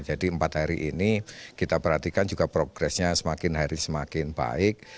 jadi empat hari ini kita perhatikan juga progresnya semakin hari semakin baik